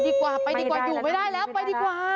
ดีกว่าไปดีกว่าอยู่ไม่ได้แล้วไปดีกว่า